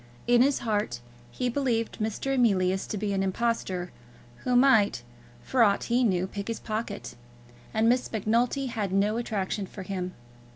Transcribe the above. In his heart he believed Mr. Emilius to be an impostor, who might, for aught he knew, pick his pocket; and Miss Macnulty had no attraction for him.